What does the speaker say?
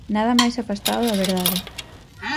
Nada mais afastado da verdade.